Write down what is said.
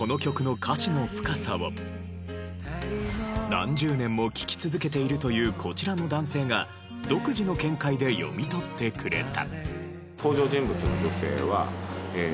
何十年も聴き続けているというこちらの男性が独自の見解で読み取ってくれた。